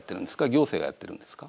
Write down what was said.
行政がやってるんですか。